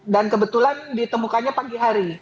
dan kebetulan ditemukannya pagi hari